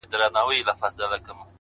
بيا خپه يم مرور دي اموخته کړم ـ